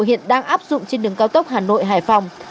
hiện đang áp dụng trên đường cao tốc hà nội hải phòng